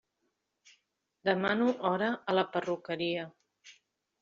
Demano hora a la perruqueria.